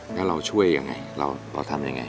แล้วเราช่วยยังไงเราทำยังไง